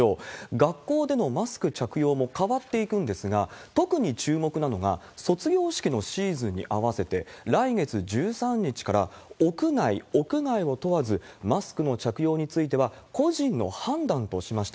学校でのマスク着用も変わっていくんですが、特に注目なのが、卒業式のシーズンに合わせて、来月１３日から、屋内、屋外を問わず、マスクの着用については、個人の判断としました。